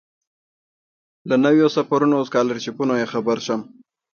له نویو سفرونو او سکالرشیپونو یې خبر شم.